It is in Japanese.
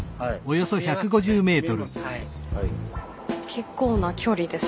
結構な距離ですよね。